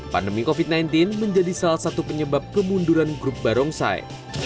pandemi covid sembilan belas menjadi salah satu penyebab kemunduran grup barongsai